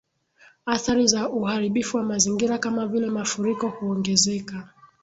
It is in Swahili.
Athari za Uharibifu wa Mazingira Kama Vile mafuriko huongezeka